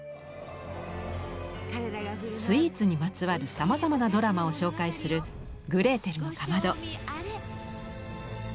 スイーツにまつわるさまざまなドラマを紹介する「グレーテルのかまど」。